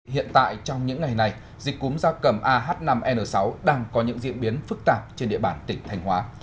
hiện tại trong những ngày này dịch cúm gia cầm ah năm n sáu đang có những diễn biến phức tạp trên địa bàn tỉnh thành hóa